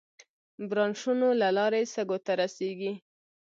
برانشونو له لارې سږو ته رسېږي.